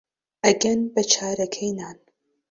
ئەگەن بە چارەکەی نان